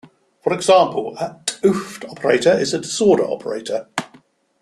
For example, a 't Hooft operator is a disorder operator.